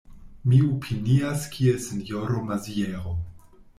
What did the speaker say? Mi opinias kiel sinjoro Maziero.